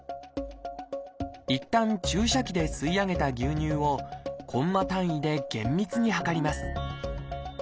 いったん注射器で吸い上げた牛乳をコンマ単位で厳密に量ります。